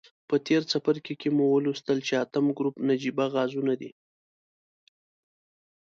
په تیر څپرکي کې مو ولوستل چې اتم ګروپ نجیبه غازونه دي.